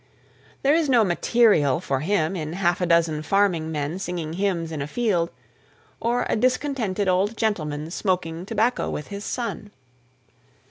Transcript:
There is no "material" for him in half a dozen farming men singing hymns in a field, or a discontented old gentleman smoking tobacco with his son.